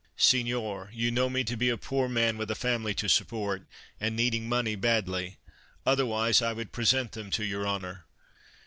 " Senor, you know me to be a poor man with a family to support, and needing money badly. Otherwise, I would pre sent them to your honor.